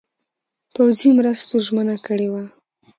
پوځي مرستو ژمنه کړې وه.